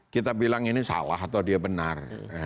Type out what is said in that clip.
kita bilang ini salah atau dia benar